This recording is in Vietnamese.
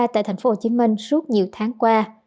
tại tp hcm suốt nhiều tháng qua